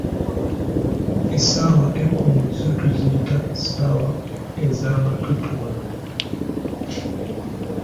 Essaawa ekkumi zo tuziyita "ssaawa ezamatutuma"